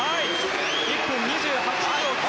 １分２８秒９。